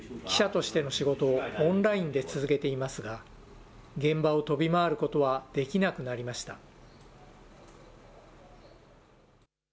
記者としての仕事をオンラインで続けていますが、現場を飛び回ることはできなくなりました。